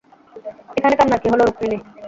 এখানে কান্নার কী হলো রুকমিনি।